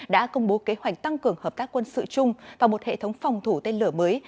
đã công bố kế hoạch tăng cường hợp tác quân sự chung và một hệ thống phòng thủ tên lửa mới